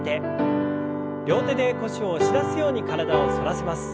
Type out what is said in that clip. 両手で腰を押し出すように体を反らせます。